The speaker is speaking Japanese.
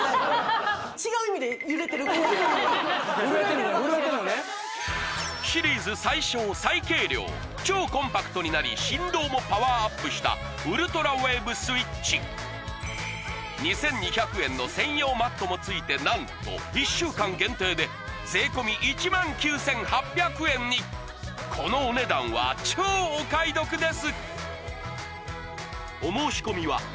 違う意味で揺れてる小刻みに震えてるかもしれませんシリーズ最小最軽量超コンパクトになり振動もパワーアップしたウルトラウェーブスイッチ２２００円の専用マットも付いて何と１週間限定で税込１９８００円にこのお値段は超お買い得です